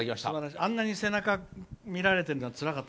あんなに背中見られてるのつらかった。